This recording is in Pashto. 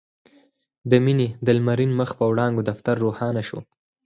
د مينې د لمرين مخ په وړانګو دفتر روښانه شو.